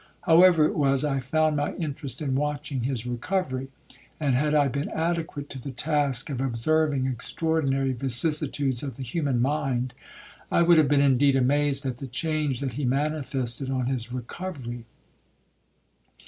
However it was, I found my interest in watching his recovery; and, had I been adequate to the task of observing extraordinary vicissitudes of the human mind, I would have been indeed amazed at the change that he manifested on his recovery.